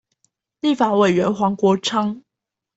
立法委員黃國昌